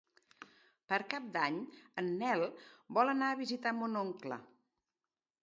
Per Cap d'Any en Nel vol anar a visitar mon oncle.